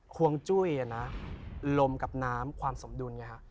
ควงจุ้ยนะลมกับน้ำความสมดุลไงฮะ